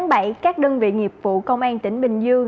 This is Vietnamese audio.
ngày hai mươi tháng bảy các đơn vị nghiệp vụ công an tỉnh bình dương